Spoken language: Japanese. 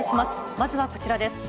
まずはこちらです。